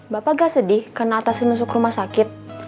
bapak gak sedih karena atasin masuk rumah sakit